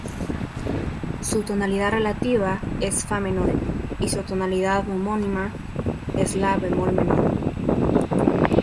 Su tonalidad relativa es Fa menor, y su tonalidad homónima es La bemol menor.